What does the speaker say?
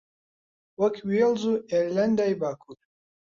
وەک وێڵز و ئێرلەندای باکوور